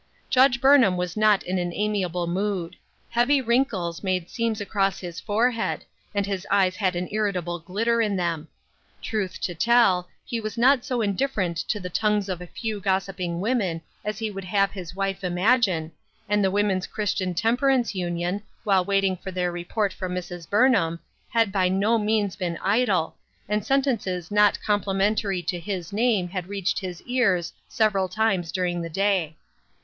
Judge Burnham was not in an amiable mood. Heavy wrinkles made seams across his forehead, and his eyes had an irritable glitter in them. Truth to tell, he was not so indifferent to the tongues of a few gossiping women as he would have his wife imagine, and the Woman's Christian Temperance Union, while waiting for their report from Mrs. Burnham, had by no means been idle, and sen tences not complimentary to his name had reached his ears several times during the day.